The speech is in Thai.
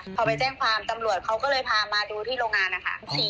พอไปแจ้งความตำรวจเขาก็เลยพามาดูที่โรงงานนะคะ